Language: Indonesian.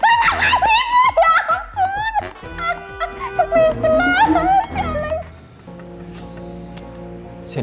sekuiz banget si aneh